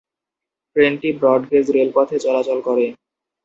ট্রেনটি ব্রডগেজ রেলপথে চলাচল করে।